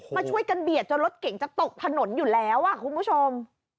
มาช่วยกันเบียดจนรถเก่งจะตกถนนอยู่แล้วคุณผู้ชม